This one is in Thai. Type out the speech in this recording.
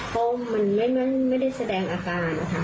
ก็มันไม่ได้แสดงอาการค่ะ